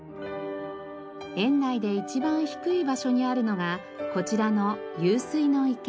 園内で一番低い場所にあるのがこちらの湧水の池。